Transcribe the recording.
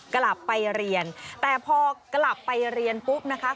กลับไปเรียนแต่พอกลับไปเรียนปุ๊บนะคะ